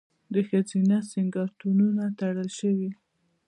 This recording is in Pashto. د ښځینه سینګارتونونه تړل شوي؟